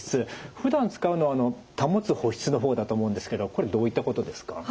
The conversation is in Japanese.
ふだん使うのは保つ保湿の方だと思うんですけどこれどういったことですか？